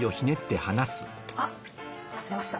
あっ外れました。